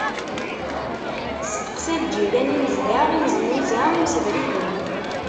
Testeqsa lǧiran, imezdaɣ, imznuza, imsebriden.